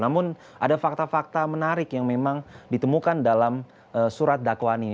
namun ada fakta fakta menarik yang memang ditemukan dalam surat dakwaan ini